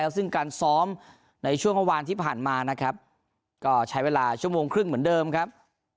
ซึ่งการซ้อมในช่วงเมื่อวานที่ผ่านมานะครับก็ใช้เวลาชั่วโมงครึ่งเหมือนเดิมครับ